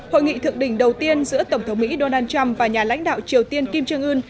hội nghị thượng đỉnh đầu tiên giữa tổng thống mỹ donald trump và nhà lãnh đạo triều tiên kim trương ưn